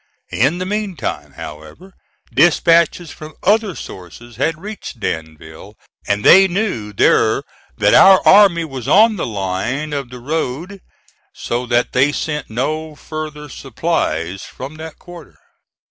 In the meantime, however, dispatches from other sources had reached Danville, and they knew there that our army was on the line of the road; so that they sent no further supplies from that quarter.